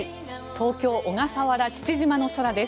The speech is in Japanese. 東京、小笠原・父島の空です。